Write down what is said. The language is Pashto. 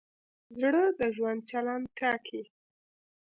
زړه د ژوند چلند ټاکي.